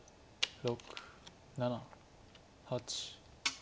６７８。